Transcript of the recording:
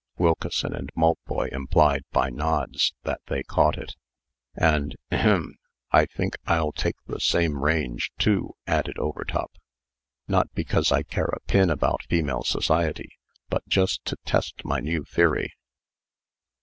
"Wilkeson and Maltboy implied, by nods, that they caught it. "And ahem I think I'll take the same range too," added Overtop. "Not because I care a pin about female society, but just to test my new theory."